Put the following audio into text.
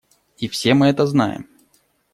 И все мы это знаем.